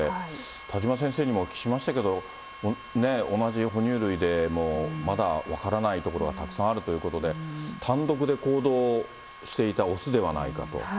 田島先生にもお聞きしましたけど、同じ哺乳類でもまだ分からないところはたくさんあるということで、単独で行動していた雄ではないかと。